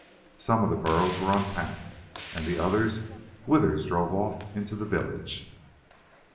Some of the burros were unpacked, and the others Withers drove off into the village.